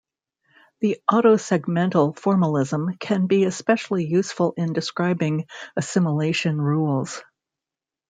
The autosegmental formalism can be especially useful in describing assimilation rules.